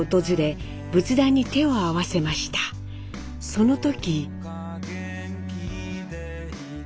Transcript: その時。